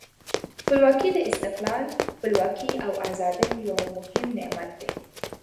خپلواکي د استقلال، خپلواکي او آزادۍ یو مهم نعمت دی.